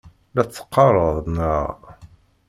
La tt-teqqareḍ, naɣ?